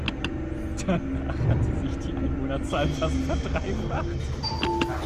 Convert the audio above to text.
Danach hat sich die Einwohnerzahl fast verdreifacht.